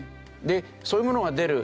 でそういうものが出る。